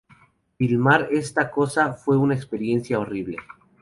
Filmar esta cosa fue una experiencia horrible.